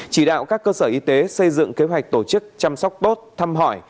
chỉ đạo các cơ sở y tế xây dựng kế hoạch tổ chức chăm sóc tốt thăm hỏi